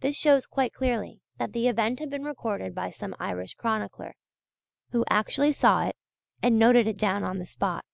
This shows quite clearly that the event had been recorded by some Irish chronicler, who actually saw it and noted it down on the spot.